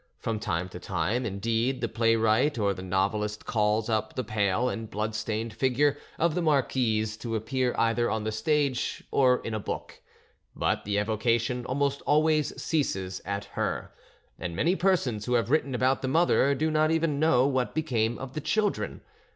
From time to time, indeed, the playwright or the novelist calls up the pale and bloodstained figure of the marquise to appear either on the stage or in a book; but the evocation almost always ceases at her, and many persons who have written about the mother do not even know what became of the children.